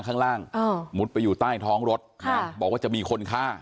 ข้างล่างมุดไปอยู่ใต้ท้องรถบอกว่าจะมีคนฆ่า